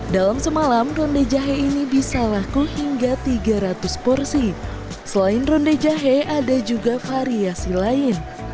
dalam semalam ronde jahe ini bisa laku hingga tiga ratus porsi selain ronde jahe ada juga variasi lain